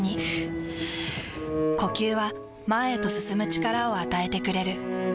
ふぅ呼吸は前へと進む力を与えてくれる。